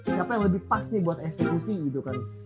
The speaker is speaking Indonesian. siapa yang lebih pas nih buat eksekusi gitu kan